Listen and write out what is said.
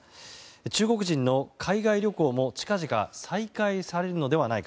中国人の海外旅行も近々、再開されるのではないか